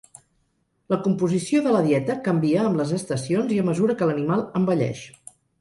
La composició de la dieta canvia amb les estacions i a mesura que l'animal envelleix.